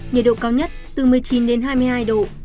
nhiệt độ cao nhất từ một mươi chín đến hai mươi hai độ